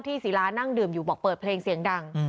ศิลานั่งดื่มอยู่บอกเปิดเพลงเสียงดัง